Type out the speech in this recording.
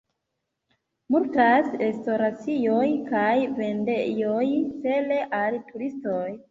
Multas restoracioj kaj vendejoj cele al turistoj.